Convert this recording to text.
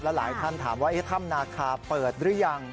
หลายท่านถามว่าถ้ำนาคาเปิดหรือยัง